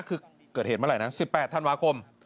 คือเกิดเหตุเมื่อไหร่นะ๑๘ธันวาคม